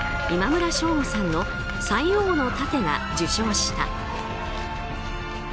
今村翔吾さんの「塞王の楯」が受賞した。